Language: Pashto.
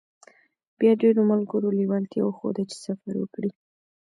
بيا ډېرو ملګرو لېوالتيا وښوده چې سفر وکړي.